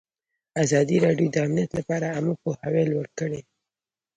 ازادي راډیو د امنیت لپاره عامه پوهاوي لوړ کړی.